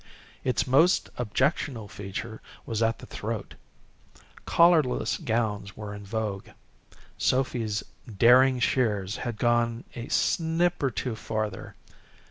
Its most objectionable feature was at the throat. Collarless gowns were in vogue. Sophy's daring shears had gone a snip or two farther.